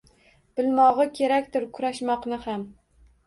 Bilmog’i kerakdir kurashmoqni ham.